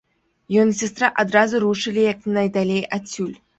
Ён і сястра адразу рушылі як найдалей адсюль.